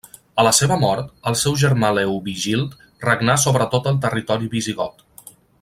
A la seva mort, el seu germà Leovigild regnà sobre tot el territori visigot.